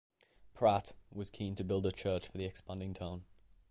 Pratt, was keen to build a church for the expanding town.